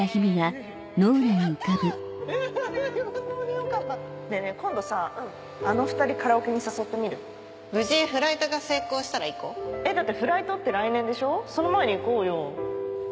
やった本当によかったねぇ今度さあの２人カラオケに誘無事フライトが成功したら行こうえっだってフライトって来年でしょ？